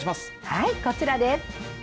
はい、こちらです。